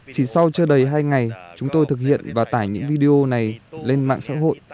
chỉ sau chưa đầy hai ngày chúng tôi thực hiện và tải những video này lên mạng xã hội